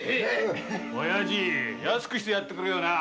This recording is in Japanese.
おやじ安くしてやってくれよな。